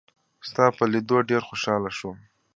ستا په لیدو ډېر خوشاله شوم.